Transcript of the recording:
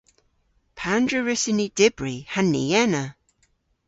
Pandr'a wrussyn ni dybri ha ni ena?